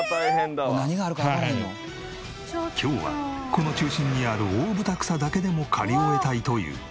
今日はこの中心にあるオオブタクサだけでも刈り終えたいという。